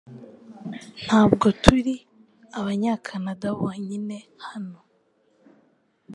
Ntabwo turi abanyakanada bonyine hano .